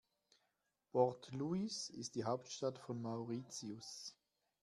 Port Louis ist die Hauptstadt von Mauritius.